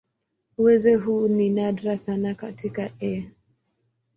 Uwezo huu ni nadra sana katika "E.